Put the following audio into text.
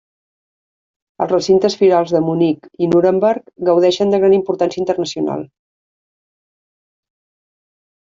Els recintes firals de Munic i Nuremberg gaudeixen de gran importància internacional.